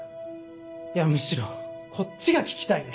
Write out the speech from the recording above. いやむしろこっちが聞きたいね。